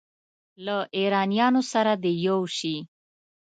له ایرانیانو سره دې یو شي.